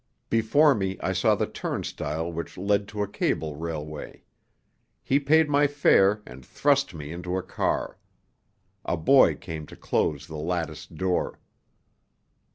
Before me I saw the turnstile which led to a cable railway. He paid my fare and thrust me into a car. A boy came to close the latticed door.